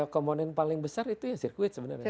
komponen paling besar itu yang sirkuit sebenarnya